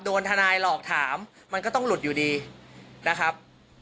ทนายหลอกถามมันก็ต้องหลุดอยู่ดีนะครับ